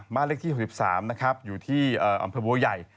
เลขที่๖๓นะครับอยู่ที่อำเภอบัวใหญ่